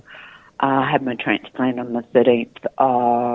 jadi saya memiliki transplen di tiga belas juni tahun ini